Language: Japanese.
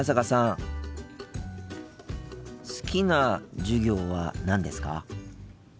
好きな授業は何ですか？